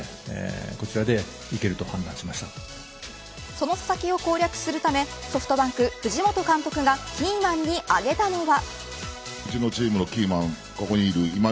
その佐々木を攻略するためソフトバンク藤本監督がキーマンに挙げたのは。